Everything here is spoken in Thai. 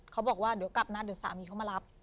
เขาบอกว่าเดี๋ยวกลับนะเดี๋ยวสามีเขามารับ